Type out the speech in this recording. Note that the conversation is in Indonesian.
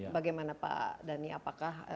bagaimana pak dhani apakah